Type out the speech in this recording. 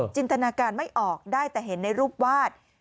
จินตนาการไม่ออกได้แต่เห็นในรูปวาด